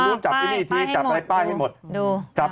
โหยวายโหยวายโหยวายโหยวายโหยวายโหยวาย